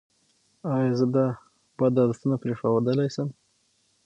ایا زه دا بد عادتونه پریښودلی شم؟